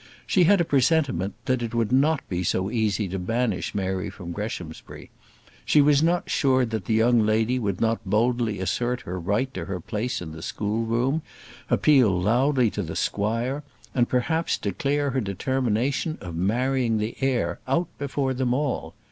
She had a presentiment that it would not be so easy to banish Mary from Greshamsbury: she was not sure that that young lady would not boldly assert her right to her place in the school room; appeal loudly to the squire, and perhaps, declare her determination of marrying the heir, out before them all.